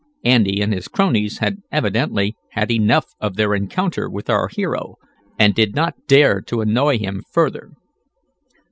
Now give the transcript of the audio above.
Andy and his cronies had evidently had enough of their encounter with our hero, and did not dare to annoy him further.